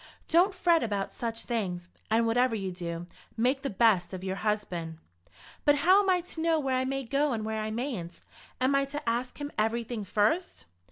Don't fret about such things, and whatever you do, make the best of your husband." "But how am I to know where I may go and where I mayn't? Am I to ask him everything first?"